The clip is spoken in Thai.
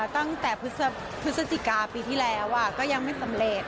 ตั้งแต่พฤศจิกาปีที่แล้วก็ยังไม่สำเร็จ